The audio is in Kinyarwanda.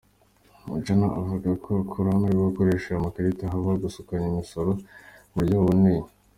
Buchana avuga ko hamwe no gukoresha ayo makarita, habaho gukusanya imisoro mu buryo buboneye.